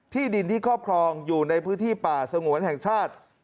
ที่ดินที่ครอบครองอยู่ในพื้นที่ป่าสงวนแห่งชาติ